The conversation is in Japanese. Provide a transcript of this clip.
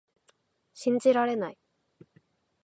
信じられない